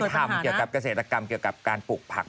ทำเกี่ยวกับเกษตรกรรมเกี่ยวกับการปลูกผัก